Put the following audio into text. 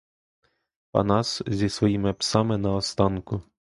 Панас зі своїми псами наостанку.